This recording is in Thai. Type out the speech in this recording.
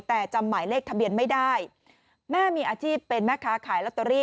แต่จำหมายเลขทะเบียนไม่ได้แม่มีอาชีพเป็นแม่ค้าขายลอตเตอรี่